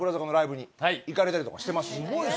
行かれたりとかしてますし。